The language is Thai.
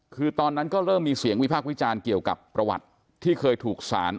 คือตอนนั้นก็เริ่มมีเสียงวิพากษ์วิจารณ์เกี่ยวกับประวัติที่เคยถูกสาร